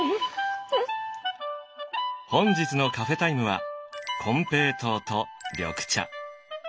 本日のカフェタイムは金平糖と緑茶。